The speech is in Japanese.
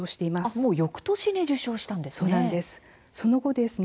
もうよくとしに受賞したんですね。